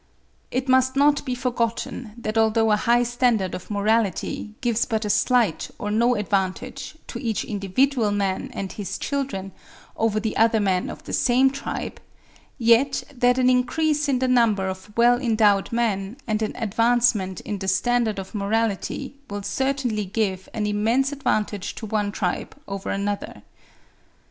It must not be forgotten that although a high standard of morality gives but a slight or no advantage to each individual man and his children over the other men of the same tribe, yet that an increase in the number of well endowed men and an advancement in the standard of morality will certainly give an immense advantage to one tribe over another.